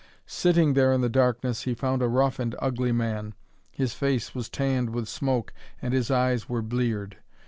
Sitting there in the darkness he found a rough and ugly man. His face was tanned with smoke and his eyes were bleared.